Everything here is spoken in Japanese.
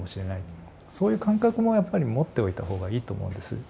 そういう感覚もやっぱり持っておいた方がいいと思うんです。